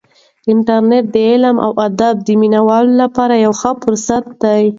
انټرنیټ د علم او ادب د مینه والو لپاره یو ښه فرصت دی.